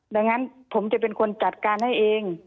ดังนั้นผมจะเป็นคนจัดการให้เอง